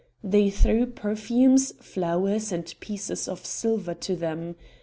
They threw perfumes, flowers, and pieces of silver to them.